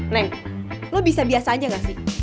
neng lo bisa biasa aja gak sih